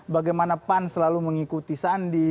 bagaimana pan selalu mengikuti sandi